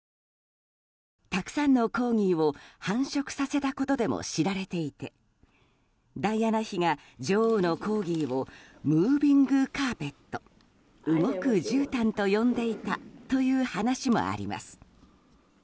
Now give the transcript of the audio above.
たくさんのコーギーを繁殖させたことでも知られていてダイアナ妃が女王のコーギーをムービングカーペット・動くじゅうたんと呼んでいたという話もあります。